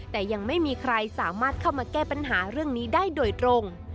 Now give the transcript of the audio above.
แต่ยังไม่มีใครสามารถเข้ามาแก้ปัญหาเรื่องนี้ได้โดยตรง